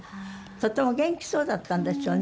とてもお元気そうだったんですよね。